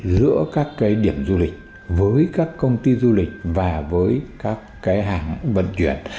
giữa các cái điểm du lịch với các công ty du lịch và với các cái hàng vận chuyển